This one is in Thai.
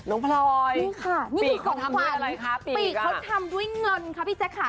น้องพลอยบิ๊กเขาทำด้วยอะไรคะบิ๊กอ่ะน้องพลอยนี่ค่ะนี่คือของขวัญพี่เจ๊ก่ะ